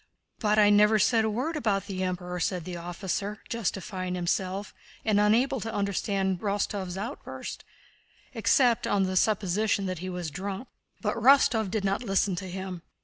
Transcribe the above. "But I never said a word about the Emperor!" said the officer, justifying himself, and unable to understand Rostóv's outburst, except on the supposition that he was drunk. But Rostóv did not listen to him.